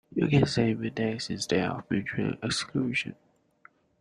You can say mutex instead of mutual exclusion.